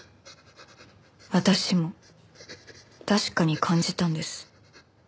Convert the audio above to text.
私も確かに感じたんです。